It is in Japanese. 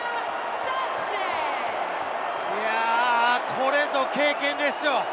これぞ経験ですよ。